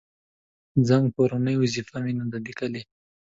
_ځم، کورنۍ وظيفه مې نه ده ليکلې.